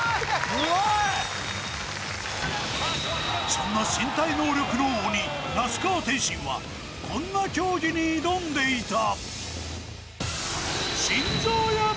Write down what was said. そんな身体能力の鬼・那須川天心はこんな競技に挑んでいた。